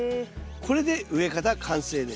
これで植え方完成です。